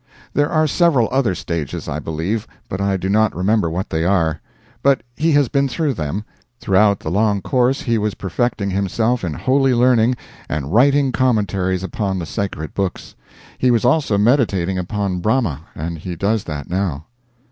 There are several other stages, I believe, but I do not remember what they are. But he has been through them. Throughout the long course he was perfecting himself in holy learning, and writing commentaries upon the sacred books. He was also meditating upon Brahma, and he does that now.